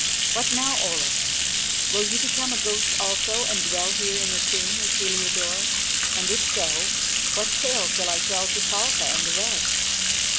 What now, Olaf? Will you become a ghost also and dwell here in the tomb with Heliodore; and if so, what tale shall I tell to Palka and the rest?"